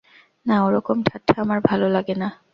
না, ওরকম ঠাট্টা আমার ভালো লাগে না।